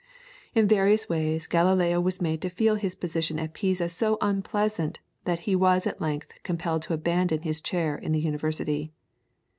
In various ways Galileo was made to feel his position at Pisa so unpleasant that he was at length compelled to abandon his chair in the University.